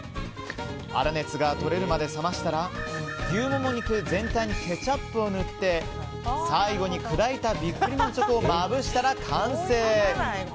粗熱がとれるまで冷ましたら牛モモ肉全体にケチャップを塗って最後に砕いたビックリマンチョコをまぶしたら完成！